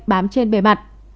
bám trên bề mặt